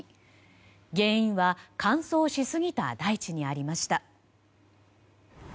原因は乾燥しすぎた大地にありました。